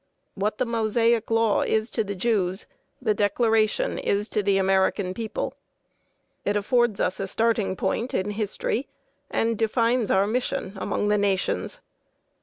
What the Mosaic Law is to the Jews, the Declaration is to the American people. It affords us a starting point in history and defines our mission among the nations.